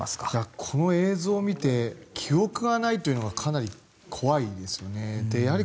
この映像を見て記憶がないというのがかなり怖いですよね。